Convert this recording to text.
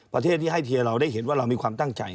ประเทศที่ให้เทียร์เราได้เห็นว่าเรามีความตั้งใจ